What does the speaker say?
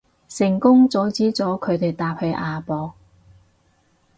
成功阻止咗佢哋搭去亞博